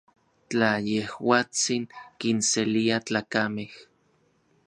Tla yejuatsin kinselia tlakamej.